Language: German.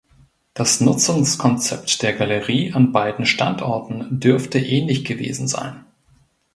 Das Nutzungskonzept der Galerie an beiden Standorten dürfte ähnlich gewesen sein.